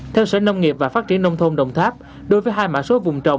theo sở nông nghiệp và phát triển nông thôn đồng tháp đối với hai mã số vùng trồng